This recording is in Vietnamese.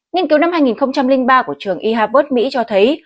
nghiên cứu năm hai nghìn ba của trường e harvard mỹ cho thấy